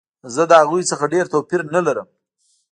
زه له هغوی څخه ډېر توپیر نه لرم